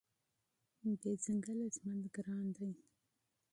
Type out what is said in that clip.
بې ځنګله ژوند ګران دی.